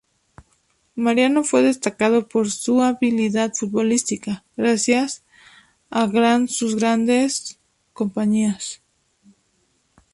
Mariano fue destacado por su habilidad futbolística, gracias a gran sus grandes compañías.